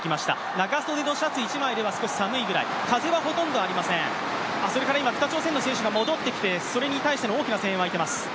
長袖のシャツ１枚では少し寒いぐらい、風はほとんどありません、それから今、北朝鮮の選手が戻ってきて、それに対しての大きな声援が沸いてます。